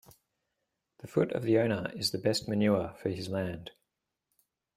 The foot of the owner is the best manure for his land.